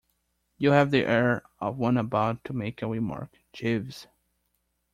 You have the air of one about to make a remark, Jeeves.